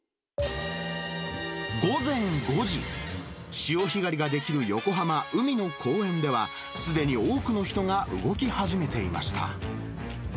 潮干狩りができる横浜・海の公園では、すでに多くの人が動き始めていました。